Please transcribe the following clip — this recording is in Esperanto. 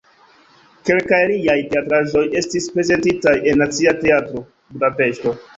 Kelkaj liaj teatraĵoj estis prezentitaj en Nacia Teatro (Budapeŝto).